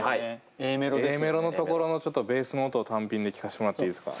Ａメロのところのちょっとベースの音を単品で聴かしてもらっていいですか。